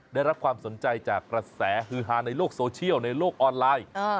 ได้รับความสนใจจากกระแสฮือฮาในโลกโซเชียลในโลกออนไลน์